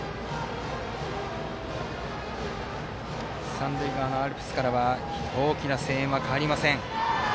三塁側のアルプスからは大きな声援は変わりません。